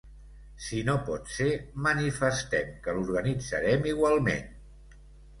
Si no pot ser, manifestem que l’organitzarem igualment.